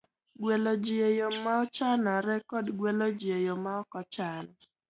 gwelo ji e yo mochanore kod gwelo ji e yo ma ok ochan.